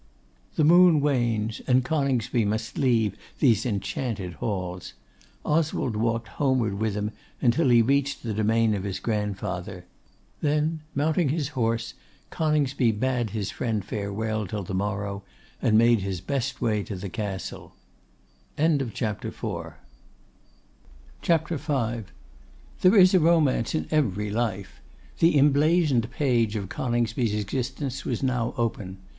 The moon wanes; and Coningsby must leave these enchanted halls. Oswald walked homeward with him until he reached the domain of his grandfather. Then mounting his horse, Coningsby bade his friend farewell till the morrow, and made his best way to the Castle. CHAPTER V. There is a romance in every life. The emblazoned page of Coningsby's existence was now open.